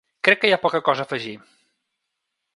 Crec que hi ha poca cosa a afegir.